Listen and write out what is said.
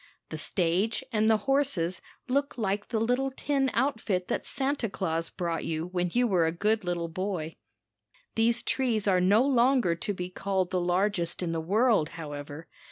The stage and the horses look like the little tin outfit that Santa Claus brought you when you were a good little boy. These trees are no longer to be called the largest in the world, however.